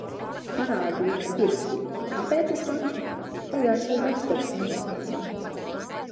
Parādīja, ka ir! Kāpēc es rakstu? Pagājis jau gads kopš pandēmijas.